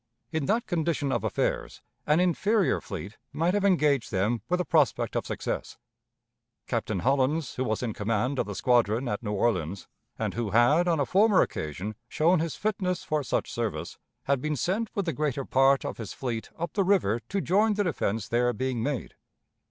In that condition of affairs, an inferior fleet might have engaged them with a prospect of success. Captain Hollins, who was in command of the squadron at New Orleans, and who had on a former occasion shown his fitness for such service, had been sent with the greater part of his fleet up the river to join the defense there being made.